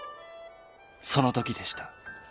そのときでした。